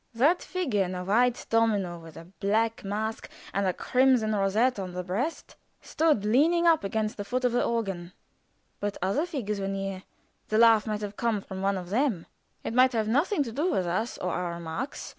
That figure in a white domino with a black mask, and a crimson rosette on the breast, stood leaning up against the foot of the organ, but other figures were near; the laugh might have come from one of them; it might have nothing to do with us or our remarks.